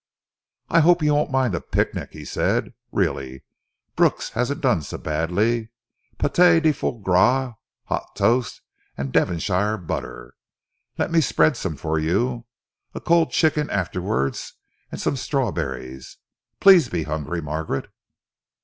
"I hope you won't mind a picnic," he said. "Really, Brooks hasn't done so badly pâté de foie gras, hot toast and Devonshire butter. Let me spread some for you. A cold chicken afterwards, and some strawberries. Please be hungry, Margaret."